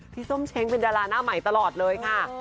ส้มเช้งเป็นดาราหน้าใหม่ตลอดเลยค่ะ